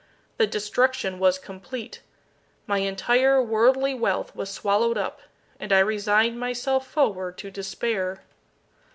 The destruction was complete. My entire worldly wealth was swallowed up, and I resigned myself forward to despair.